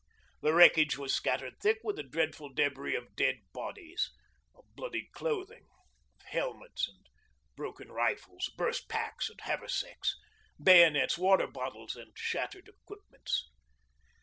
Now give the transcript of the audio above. The wreckage was scattered thick with a dreadful debris of dead bodies, of bloody clothing, of helmets and broken rifles, burst packs and haversacks, bayonets, water bottles, and shattered equipments.